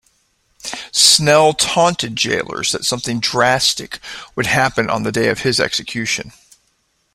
Snell taunted jailers that something drastic would happen on the day of his execution.